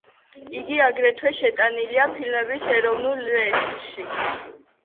იგი აგრეთვე შეტანილია ფილმების ეროვნულ რეესტრში.